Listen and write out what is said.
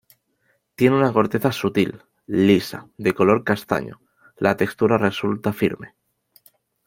Tiene una corteza sutil, lisa, de color castaño; la textura resulta firme.